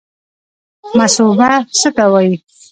مصوبه څه ته وایي؟